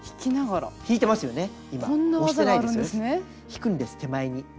引くんです手前に。